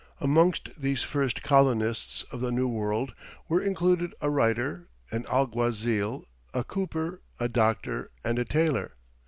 Amongst these first colonists of the New World were included a writer, an alguazil, a cooper, a doctor, and a tailor.